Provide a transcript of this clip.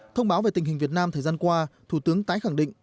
thông báo về tình hình việt nam thời gian qua thủ tướng tái khẳng định